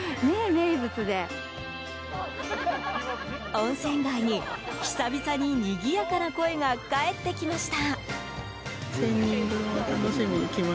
温泉街に、久々ににぎやかな声が帰ってきました。